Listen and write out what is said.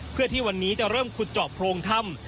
เพื่อที่วันนี้จะเริ่มขุดเจาะโพรงถ้ำ